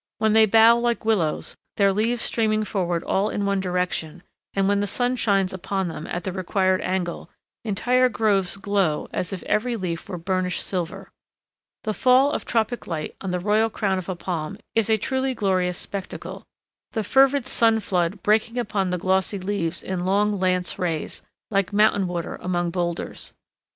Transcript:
Then they bow like willows, their leaves streaming forward all in one direction, and, when the sun shines upon them at the required angle, entire groves glow as if every leaf were burnished silver. The fall of tropic light on the royal crown of a palm is a truly glorious spectacle, the fervid sun flood breaking upon the glossy leaves in long lance rays, like mountain water among boulders.